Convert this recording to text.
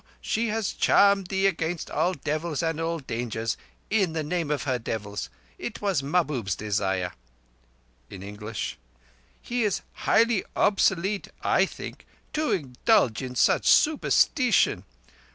She has charmed thee against all devils and all dangers in the name of her devils. It was Mahbub's desire." In English: "He is highly obsolete, I think, to indulge in such supersteetion.